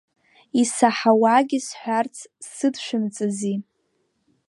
Исаҳауагьы сҳәарц сыдшәымҵази…